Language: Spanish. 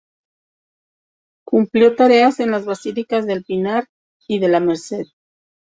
Cumplió tareas en las Basílicas del Pilar y de la Merced.